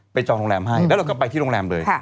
จองโรงแรมให้แล้วเราก็ไปที่โรงแรมเลย